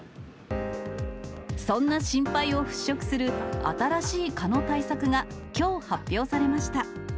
そんな心配を払拭する、新しい蚊の対策が、きょう、発表されました。